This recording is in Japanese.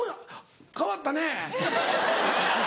変わったね。